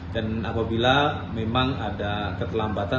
dan apabila memang ada ketelambatan